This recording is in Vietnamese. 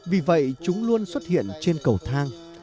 vì vậy chúng luôn xuất hiện trên cầu thang